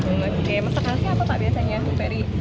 oke masakan khasnya apa pak biasanya ibu ferry